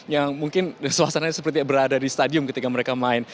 yang mungkin suasananya seperti berada di stadium ketika mereka main